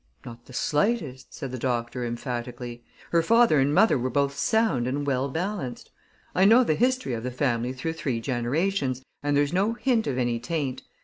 "Not the slightest," said the doctor emphatically. "Her father and mother were both sound and well balanced. I know the history of the family through three generations, and there's no hint of any taint.